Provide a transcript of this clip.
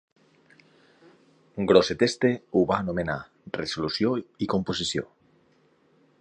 Grosseteste ho va anomenar "resolució i composició".